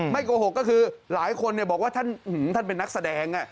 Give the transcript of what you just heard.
โกหกก็คือหลายคนบอกว่าท่านเป็นนักแสดง